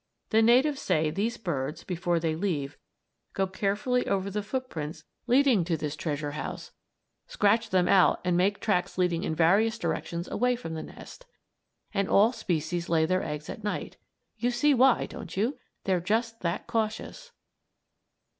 The natives say these birds, before they leave, go carefully over the footprints leading to this treasure house, scratch them out and make tracks leading in various directions away from the nest. And all species lay their eggs at night. You see why, don't you? They're just that cautious.